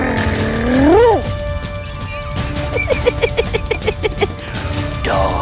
aku mengikuti kamu tertawa